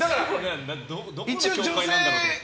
どこの教会なんだろうと思って。